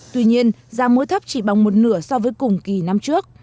tuy nhiên giá muối thấp chỉ bằng một nửa so với cùng kỳ năm trước